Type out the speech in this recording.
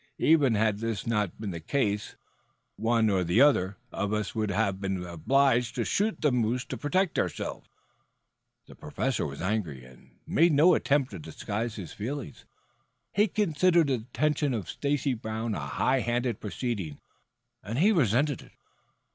Even had this not been the case one or the other of us would have been obliged to shoot the moose to protect ourselves." The Professor was angry and made no attempt to disguise his feelings. He considered the detention of Stacy Brown a high handed proceeding and he resented it.